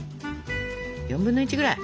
４分の１ぐらい。